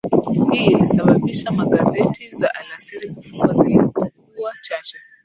Hii ilisababisha magazeti za alasiri kufungwa zisipokuwa chache